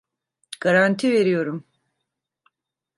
Garanti veriyorum.